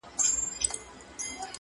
د خوشحال خان د مرغلرو قدر څه پیژني-